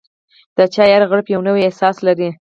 د چای هر غوړپ یو نوی احساس لري.